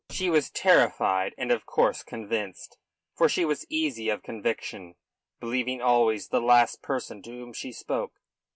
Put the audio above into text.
She was terrified and of course convinced, for she was easy of conviction, believing always the last person to whom she spoke.